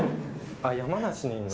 あ山梨にいんの？